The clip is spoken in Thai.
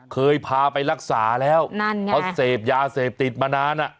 เคยพาไปรักษาแล้วเพราะเสพยาเสพติดมานาน